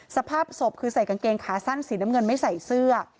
สภาพศพคือใส่กางเกงขาสั้นสีน้ำเงินไม่ใส่เสื้อ